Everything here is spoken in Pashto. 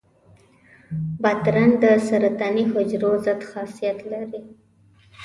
بادرنګ د سرطاني حجرو ضد خاصیت لري.